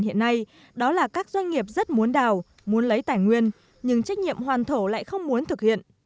hiện nay đó là các doanh nghiệp rất muốn đào muốn lấy tài nguyên nhưng trách nhiệm hoàn thổ lại không muốn thực hiện